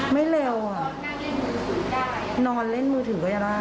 ไม่เร็วอ่ะนอนเล่นมือถือก็จะได้